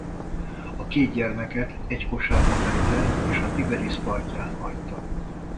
A két gyermeket egy kosárba tette és a Tiberis partján hagyta.